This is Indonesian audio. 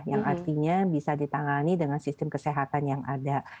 yang artinya bisa ditangani dengan sistem kesehatan yang ada